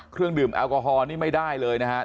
เครื่องดื่มแอลกอฮอลนี่ไม่ได้เลยนะครับ